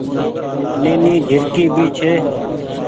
نيني جهرڪي ڀي ڇي۔